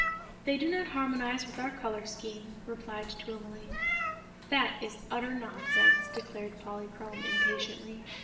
"They do not harmonize with our color scheme," replied Tourmaline. "That is utter nonsense," declared Polychrome, impatiently.